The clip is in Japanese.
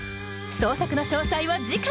創作の詳細は次回！